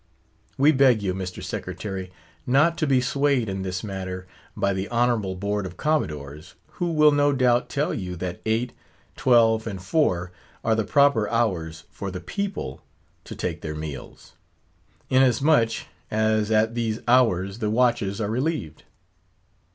We beg you, Mr. Secretary, not to be swayed in this matter by the Honourable Board of Commodores, who will no doubt tell you that eight, twelve, and four are the proper hours for the people to take their Meals; inasmuch, as at these hours the watches are relieved.